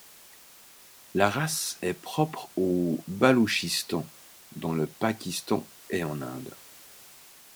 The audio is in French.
La race est propre au Baloutchistan, dans le Pakistan et en Inde.